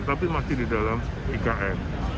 tapi masih di dalam ikn